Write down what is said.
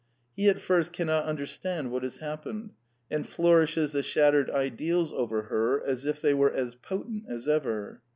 He at first cannot understand what has happened, and flourishes the shattered ideals over her as if they were as potent as ever.